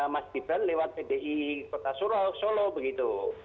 mas gibran lewat pdi kota solo begitu